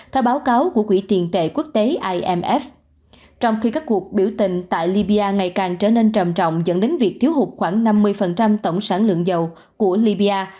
theo báo cáo của quỹ tiền tệ quốc tế imf trong khi các cuộc biểu tình tại libbia ngày càng trở nên trầm trọng dẫn đến việc thiếu hụt khoảng năm mươi tổng sản lượng dầu của libbia